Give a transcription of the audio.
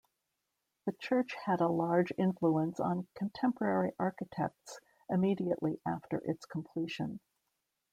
The church had a large influence on contemporary architects immediately after its completion.